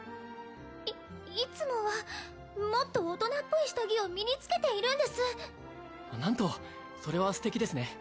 いいつもはもっと大人っぽい下着を身につけているんです何とそれはステキですね